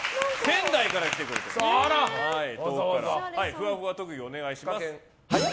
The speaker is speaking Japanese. ふわふわ特技お願いします。